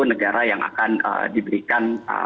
negara yang akan diberikan